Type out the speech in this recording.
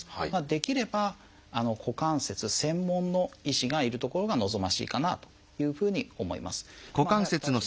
できれば股関節専門の医師がいる所が望ましいかなというふうに思います。